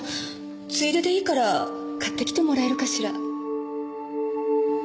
ついででいいから買ってきてもらえるかしら？